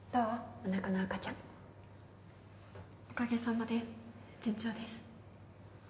おなかの赤ちゃんおかげさまで順調です